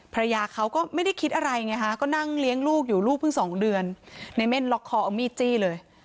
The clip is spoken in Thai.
ภรรยาเขาก็ไม่ได้คิดอะไรไงฮะก็นั่งเลี้ยงลูกอยู่ลูกเพิ่งสองเดือนในเม่นล็อกคอเอามีดจี้เลย